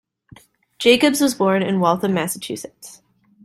Jacobs was born in Waltham, Massachusetts.